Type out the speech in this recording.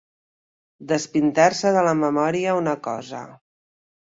Despintar-se de la memòria una cosa.